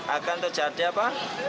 akan terjadi apa